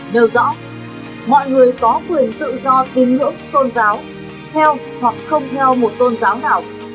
điều hai mươi bốn tiến pháp năm hai nghìn một mươi ba nêu rõ mọi người có quyền tự do tín ngưỡng tôn giáo theo hoặc không theo một tôn giáo nào